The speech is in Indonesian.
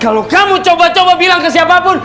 kalau kamu coba coba bilang ke siapapun